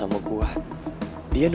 bacak lagi di sana